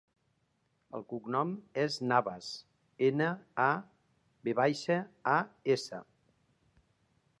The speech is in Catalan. El cognom és Navas: ena, a, ve baixa, a, essa.